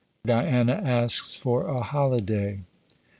DIANA ASKS FOR A HOLIDAY.